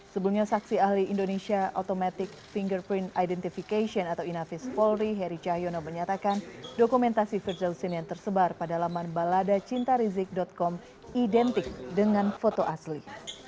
sebelumnya saksi ahli indonesia automatic fingerprint identification atau inafis polri heri cahyono menyatakan dokumentasi firza hussein yang tersebar pada laman baladacintarizik com identik dengan foto asli